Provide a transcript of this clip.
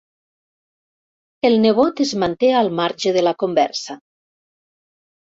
El nebot es manté al marge de la conversa.